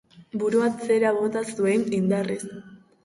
Burua atzera bota zuen indarrez.